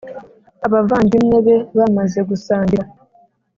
abavandimwe be bamaze gusangira.